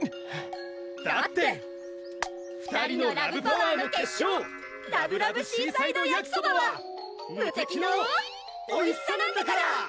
だって２人のラブパワーの結晶「ラブラブシーサイドやきそば」は無敵のおいしさなんだから！